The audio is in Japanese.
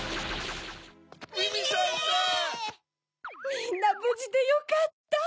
みんなぶじでよかった！